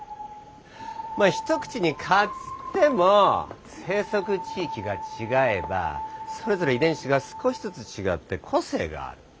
まあ一口に蚊つっても生息地域が違えばそれぞれ遺伝子が少しずつ違って個性がある。